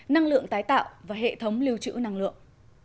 năng lượng tái tạo và hệ thống lưu trữ năng lượng